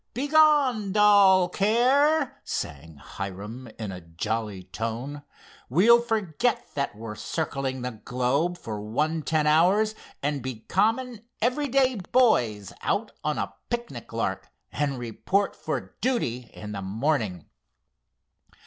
"Begone dull care," sang Hiram, in a jolly tone. "We'll forget that we're circling the globe for one ten hours, and be common, everyday boys out on a picnic lark, and report for duty in the morning."